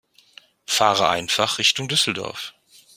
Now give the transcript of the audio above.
Fahre einfach Richtung Düsseldorf